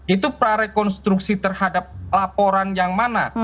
itu prarekonstruksi terhadap laporan yang mana